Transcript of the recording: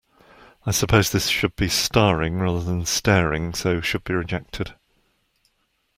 Leonardo DiCaprio is staring in the new movie.